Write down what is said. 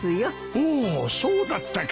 おおそうだったか。